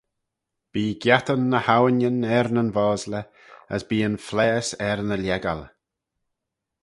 Bee giattyn ny hawinyn er nyn vosley, as bee yn phlaase er ny lhieggal.